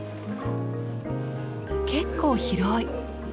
結構広い！